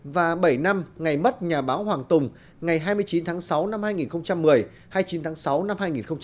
và bảy năm ngày mất nhà báo hoàng tùng ngày hai mươi chín tháng sáu năm hai nghìn một mươi hai mươi chín tháng sáu năm hai nghìn hai mươi